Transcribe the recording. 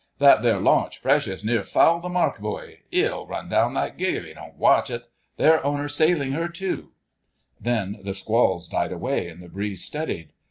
That there launch precious near fouled the mark buoy.... 'E'll run down that gig if 'e don't watch it. Their owner sailing 'er too." Then the squalls died away and the breeze steadied.